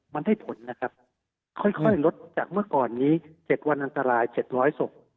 มันได้ผลนะครับค่อยลดจากเมื่อก่อนนี้๗วันอันตราย๗๐๐ศพ